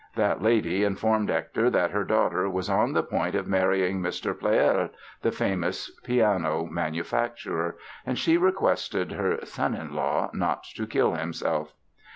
That lady informed Hector that her daughter was on the point of marrying Mr. Pleyel, the famous piano manufacturer; and she requested her "son in law" not to kill himself!